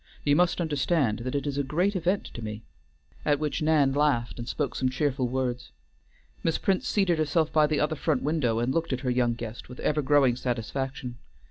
You must understand that it is a great event to me;" at which Nan laughed and spoke some cheerful words. Miss Prince seated herself by the other front window, and looked at her young guest with ever growing satisfaction.